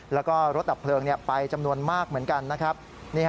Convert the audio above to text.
แล้วก็รถดับเพลิงไปจำนวนมากเหมือนกันนะครับ